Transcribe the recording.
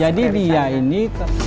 jadi dia ini